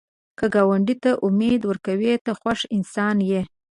که ګاونډي ته امید ورکوې، ته خوښ انسان یې